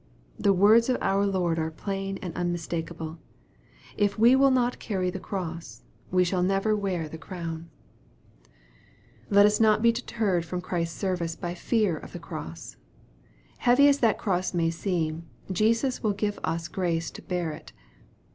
The words of our Lord arc plain and unmistakeable. If we will not carry the cross, we shall never wear the crown. 170 EXPOSITORY THOUGHTS. Let us not be deterred from Christ's service by feai of the cross. Heavy as that cross may seem, Jesus will give us grace to bear it.